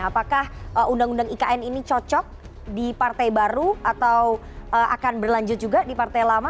apakah undang undang ikn ini cocok di partai baru atau akan berlanjut juga di partai lama